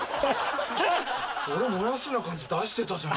俺もやしな感じ出してたじゃん。